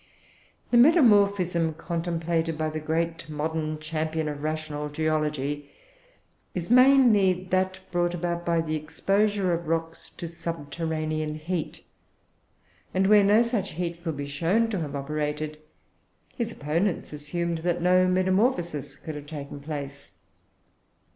The metamorphism contemplated by the great modern champion of rational geology is, mainly, that brought about by the exposure of rocks to subterranean heat; and where no such heat could be shown to have operated, his opponents assumed that no metamorphosis could have taken place.